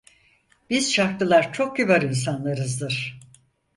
Biz şarklılar çok kibar insanlarızdır…